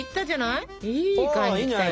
いい感じきたよ！